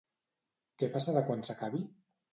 Què passarà quan s'acabi?